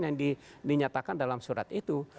yang dinyatakan dalam surat itu